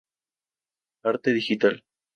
Arte digital.